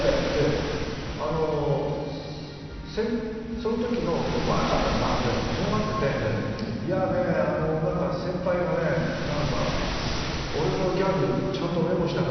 その時、若かったからとんがってて先輩が俺のギャグちゃんとメモしたか？